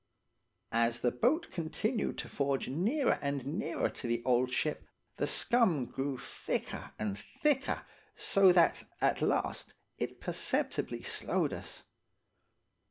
As the boat continued to forge nearer and nearer to the old ship the scum grew thicker and thicker, so that, at last, it perceptibly slowed us.